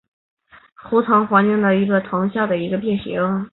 峨眉轮环藤为防己科轮环藤属轮环藤下的一个变型。